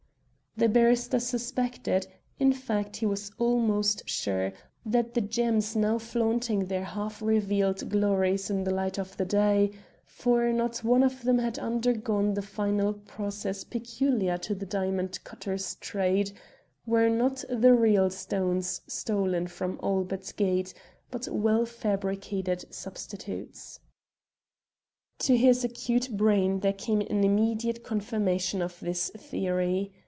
The barrister suspected in fact, he was almost sure that the gems now flaunting their half revealed glories in the light of the day for not one of them had undergone the final process peculiar to the diamond cutter's trade were not the real stones stolen from Albert Gate, but well fabricated substitutes. To his acute brain there came an immediate confirmation of his theory.